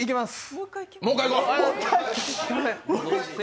もう一回いこう！